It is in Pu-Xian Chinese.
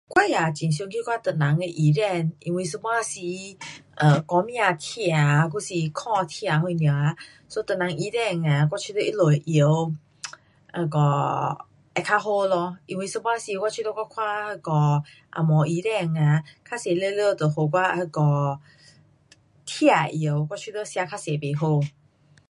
我也很常去看华人的医生，因为一半时 um 后背痛啊还是脚痛啊，so 华人医生啊,我觉得他们的药，um 那个会较好咯，因为一半时我觉得我看那个红毛医生啊，较多全部都给我那个痛的药，我觉得吃较多不好。